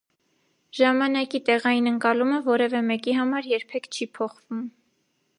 Ժամանակի տեղային ընկալումը որևէ մեկի համար երբեք չի փոխվում։